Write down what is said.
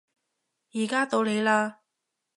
而家到你嘞